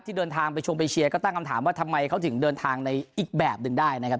เดินทางไปชมไปเชียร์ก็ตั้งคำถามว่าทำไมเขาถึงเดินทางในอีกแบบหนึ่งได้นะครับ